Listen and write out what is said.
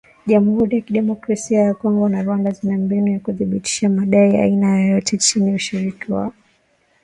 Jamhuri ya Kidemokrasia ya Kongo na Rwanda zina mbinu za kuthibitisha madai ya aina yoyote chini ya ushirika wa nchi za maziwa makuu.